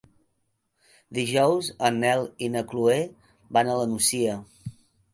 Dijous en Nel i na Chloé van a la Nucia.